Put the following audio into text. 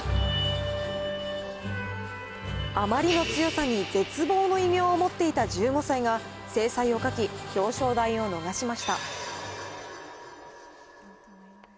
あまりの強さに、絶望の異名を持っていた１５歳が精彩を欠き、表彰台を逃しました。